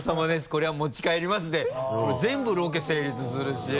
これは持ち帰ります」で全部ロケ成立するし。